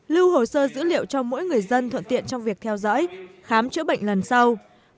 lưu hồ sơ dữ liệu cho mỗi người dân thuận tiện trong việc theo dõi khám chữa bệnh lần sau